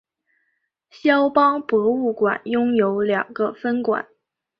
萧邦博物馆拥有两个分馆。